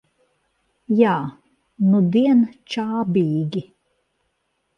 Jā, nudien čābīgi.